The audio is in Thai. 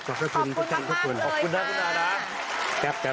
ขอบคุณมากเลยค่ะ